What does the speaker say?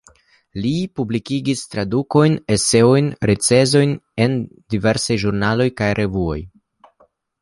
Li publikigis tradukojn, eseojn, recenzojn en diversaj ĵurnaloj kaj revuoj.